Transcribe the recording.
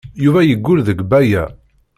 Yuba yeggul deg Baya.